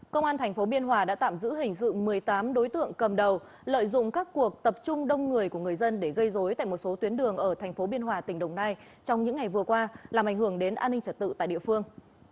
công an tp biên hòa đã tạm giữ hình sự một mươi tám đối tượng cầm đầu lợi dụng các cuộc tập trung đông người của người dân để gây dối tại một số tuyến đường ở thành phố biên hòa tỉnh đồng nai trong những ngày vừa qua làm ảnh hưởng đến an ninh trật tự tại địa phương